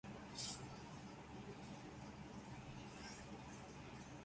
Apart from the ecclesiastical and ceremonial usages mentioned below, there are less formal usages.